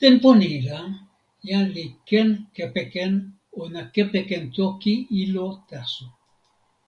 tenpo ni la, jan li ken kepeken ona kepeken toki ilo taso.